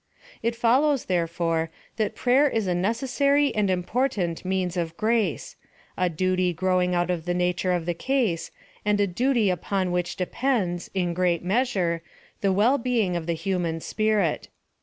It follows, therefore, that prayer is a necessary and most important means of grace — a duty grow ing out of the nature of the case, and a duty upon which depends, in a great measure, the well being of the human spirit.